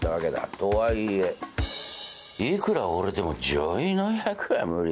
とはいえいくら俺でも女医の役は無理だ。